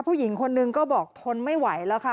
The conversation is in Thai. ผู้หญิงคนนึงก็บอกทนไม่ไหวแล้วค่ะ